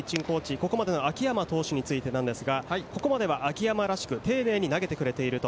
ここまでの秋山投手についてなんですがここまでは秋山らしく、丁寧に投げてくれていると。